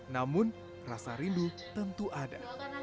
namun rasa rindu tentu ada